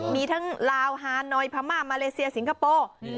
มีทั้งลาวฮานอยพม่ามาเลเซียสิงคโปร์